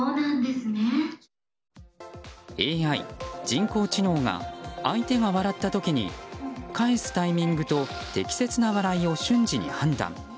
ＡＩ・人工知能が相手が笑った時に返すタイミングと適切な笑いを瞬時に判断。